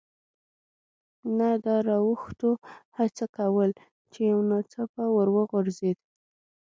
نه د را اوښتو هڅه کول، چې یو ناڅاپه ور وغورځېد.